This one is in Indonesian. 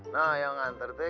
nah yang ngantar teh